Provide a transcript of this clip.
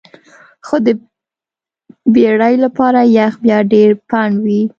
خو د بیړۍ لپاره یخ بیا ډیر پنډ وي